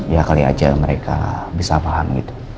ya kali aja mereka bisa paham gitu